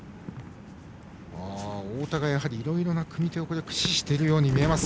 太田がいろいろな組み手を駆使しているように見えます。